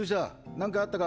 なんかあったか？